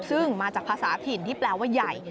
ซึ่งมาจากภาษาถิ่นที่แปลว่าใหญ่